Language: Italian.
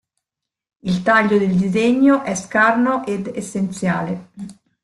Il taglio del disegno è scarno ed essenziale.